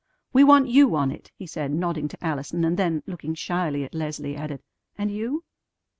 "We want you on it," he said, nodding to Allison and then, looking shyly at Leslie, added, "And you?"